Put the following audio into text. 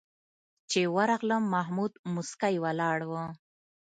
چې ورغلم محمود موسکی ولاړ و.